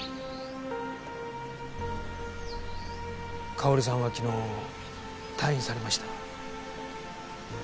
佳保里さんは昨日退院されました。